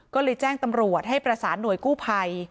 ก็เลยแจ้งตำรวจให้ประสานหน่วยกู้ภัย